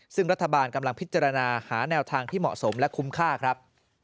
ซึ่งรัฐบาลกำลังพิจารณาหาแนวทางที่เหมาะสมและคุ้มค่าครับ